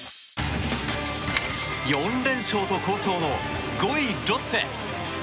４連勝と好調の５位、ロッテ。